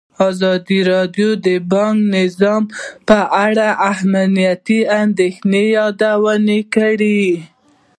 ازادي راډیو د بانکي نظام په اړه د امنیتي اندېښنو یادونه کړې.